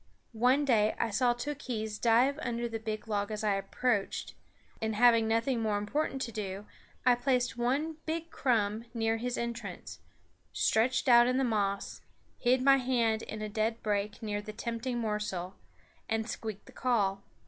One day I saw Tookhees dive under the big log as I approached, and having nothing more important to do, I placed one big crumb near his entrance, stretched out in the moss, hid my hand in a dead brake near the tempting morsel, and squeaked the call.